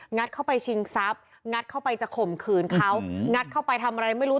เข้าไปชิงทรัพย์งัดเข้าไปจะข่มขืนเขางัดเข้าไปทำอะไรไม่รู้